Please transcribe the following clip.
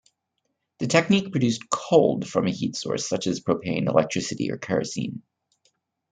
The technique produced "cold" from a heat source such as propane, electricity, or kerosene.